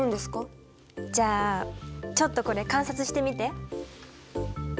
じゃあちょっとこれ観察してみて。